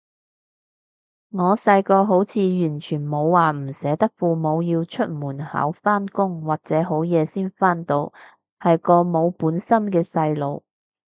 我細個好似完全冇話唔捨得父母要出門口返工或者好夜先返到，係個冇本心嘅細路